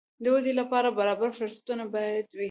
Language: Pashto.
د ودې لپاره برابر فرصتونه باید وي.